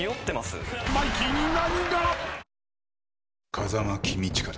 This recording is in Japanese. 風間公親だ。